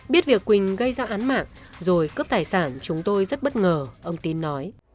biết việc quỳnh gây ra án mạng rồi cướp tài sản chúng tôi rất bất ngờ ông tín nói